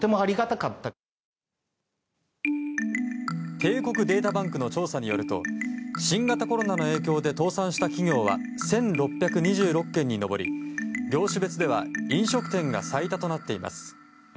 帝国データバンクの調査によると新型コロナの影響で倒産した企業は１６２６件に上り業種別では飲食店が最多となっています。